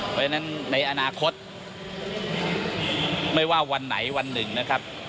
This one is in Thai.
เพราะฉะนั้นในอนาคตไม่ว่าวันไหนวันหนึ่งนะครับ